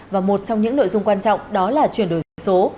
và một trong những nội dung quan trọng đó là chuyển đổi số